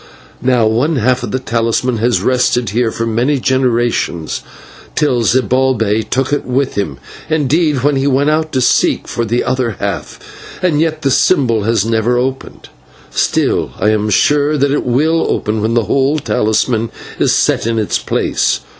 Now one half of the talisman has rested here for many generations, till Zibalbay took it with him indeed, when he went out to seek for the other half, and yet the symbol has never opened; still, I am sure that it will open when the whole talisman is set in its place.